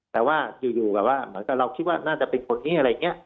แต่ว่าอยู่แบบว่าเหมือนกับเราคิดว่าน่าจะเป็นคนนี้อะไรอย่างนี้